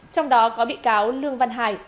trong đó có bị cáo lương văn hai